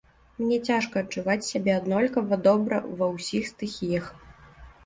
Мне цяжка адчуваць сябе аднолькава добра ва ўсіх стыхіях.